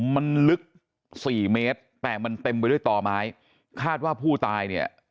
มันลึกสี่เมตรแต่มันเต็มไปด้วยต่อไม้คาดว่าผู้ตายเนี่ย